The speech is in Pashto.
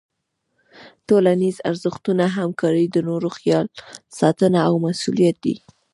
ټولنیز ارزښتونه همکاري، د نورو خیال ساتنه او مسؤلیت دي.